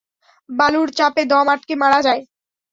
বালুর চাপে দম আটকে মারা যায়।